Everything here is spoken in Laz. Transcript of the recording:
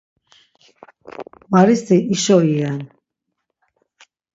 Varisi hişo iyen.